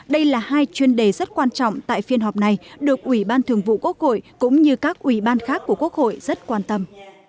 đây là hai chuyên đề rất quan trọng tại phiên họp này được ủy ban thường vụ quốc hội cũng như các ủy ban khác của quốc hội rất quan tâm